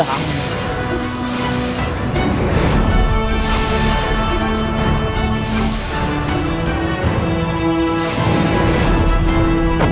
anda mampu meledak kesehatan